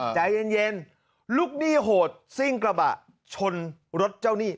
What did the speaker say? ใจเย็นลูกหนี้โหดซิ่งกระบะชนรถเจ้าหนี้